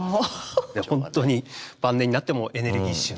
本当に晩年になってもエネルギッシュな。